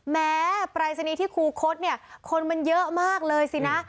ปรายศนีย์ที่ครูคดเนี่ยคนมันเยอะมากเลยสินะ